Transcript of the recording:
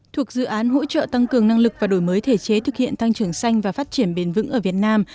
thuộc dự án hỗ trợ tăng cường năng lực và đổi mới thể chế thực hiện tăng trưởng xanh và phát triển bền vững ở việt nam